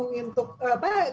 yang untuk apa ya